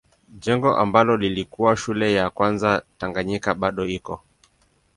Jengo ambalo lilikuwa shule ya kwanza Tanganyika bado iko.